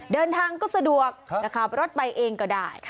เดินทางก็สะดวกจะขับรถไปเองก็ได้